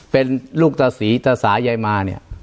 เป็นลูกตาศรีตาสายายมาเนี่ย